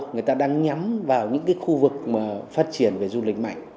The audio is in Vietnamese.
người ta đang nhắm vào những cái khu vực mà phát triển về du lịch mạnh